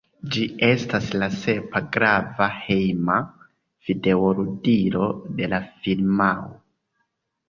Ĝi estas la sepa grava hejma videoludilo de la firmao.